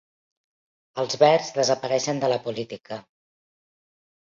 Els Verds desapareixen de la política